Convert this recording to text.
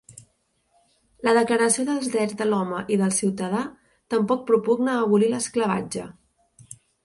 La Declaració dels Drets de l'Home i del Ciutadà tampoc propugna abolir l'esclavatge.